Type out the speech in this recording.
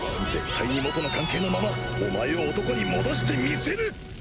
絶対に元の関係のままお前を男に戻してみせる！